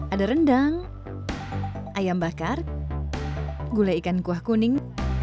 ada rendang ayam bakar gula ikan kuah kuning